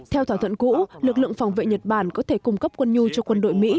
theo thỏa thuận cũ lực lượng phòng vệ nhật bản có thể cung cấp quân nhu cho quân đội mỹ